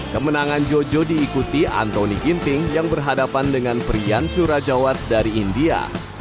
kemenangan jojo diikuti antoni ginting yang berhadapan dengan priyan surajawat dari india